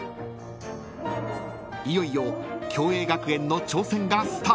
［いよいよ共栄学園の挑戦がスタート］